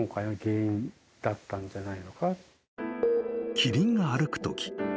［キリンが歩くとき